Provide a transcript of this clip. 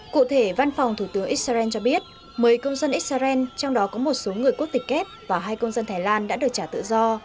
cụ thể văn phòng thủ tướng israel cho biết một mươi công dân israel trong đó có một số người quốc tịch kép và hai công dân thái lan đã được trả tự do